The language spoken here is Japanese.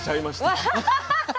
ワハハハハ！